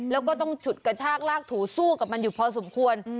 แล้วก็ต้องฉุดกระชากลากถูสู้กับมันอยู่พอสมควร